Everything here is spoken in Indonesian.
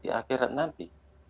di akhirat nanti